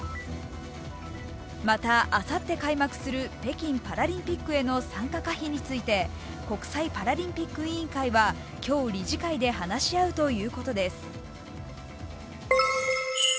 またあさって開幕する北京パラリンピックへの参加可否について国際パラリンピック委員会は今日、理事会で話し合うということです。